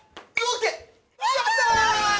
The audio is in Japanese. やった！